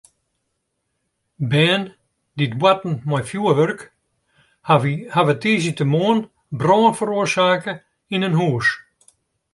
Bern dy't boarten mei fjoerwurk hawwe tiisdeitemoarn brân feroarsake yn in hús.